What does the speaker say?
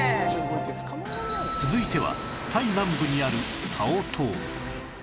続いてはタイ南部にあるタオ島